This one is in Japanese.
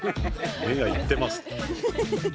「目がイッてます。」。